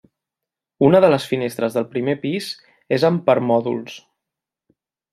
Una de les finestres del primer pis és amb permòdols.